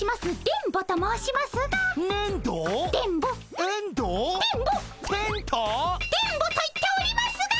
電ボと言っておりますが！